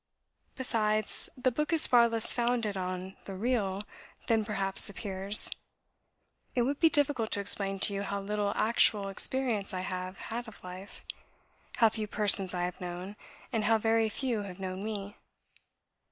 Besides, the book is far less founded on the Real, than perhaps appears. It would be difficult to explain to you how little actual experience I have had of life, how few persons I have known, and how very few have known me.